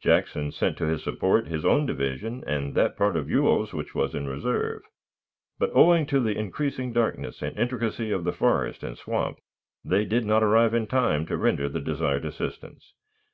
Jackson sent to his support his own division and that part of Ewell's which was in reserve; but, owing to the increasing darkness and intricacy of the forest and swamp, they did not arrive in time to render the desired assistance.